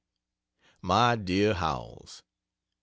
MY DEAR HOWELLS